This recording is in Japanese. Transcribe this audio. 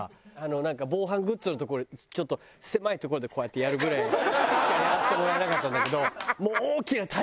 なんか防犯グッズの所ちょっと狭い所でこうやってやるぐらいしかやらせてもらえなかったんだけど。